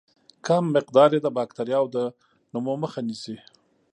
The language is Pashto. کم مقدار یې د باکتریاوو د نمو مخه نیسي.